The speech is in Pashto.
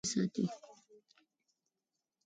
نحوه د خبرو سموالی ساتي.